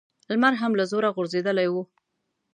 لمر هم له زوره غورځېدلی و.